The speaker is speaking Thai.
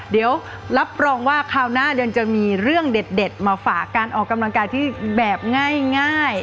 เดี๋ยวรับรองว่าคราวหน้าเดือนจะมีเรื่องเด็ดมาฝากการออกกำลังกายที่แบบง่าย